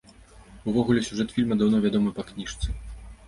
Увогуле, сюжэт фільма даўно вядомы па кніжцы.